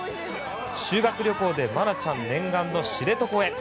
修学旅行で愛菜ちゃん念願の知床へ。